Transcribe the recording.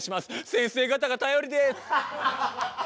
先生方が頼りです。